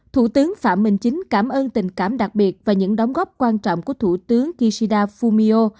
thủ tướng phạm minh chính cảm ơn tình cảm đặc biệt và những đóng góp quan trọng của thủ tướng kishida fumio